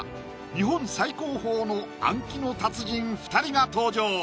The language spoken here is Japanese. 日本最高峰の暗記の達人２人が登場！